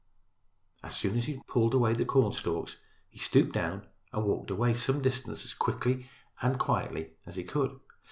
As soon as he had pulled away the cornstalks he stooped down and walked away some distance as quickly and quietly as he could.